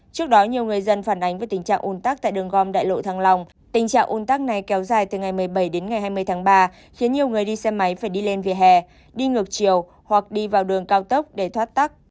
trước đó nhiều người dân phản ánh về tình trạng ồn tắc tại đường gom đại lộ thăng long tình trạng un tắc này kéo dài từ ngày một mươi bảy đến ngày hai mươi tháng ba khiến nhiều người đi xe máy phải đi lên vỉa hè đi ngược chiều hoặc đi vào đường cao tốc để thoát tắc